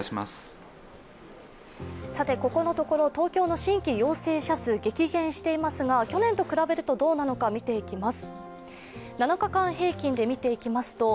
ここのところ東京の新規陽性者数は激減していますが去年と比べるとどうなのか見ていきます。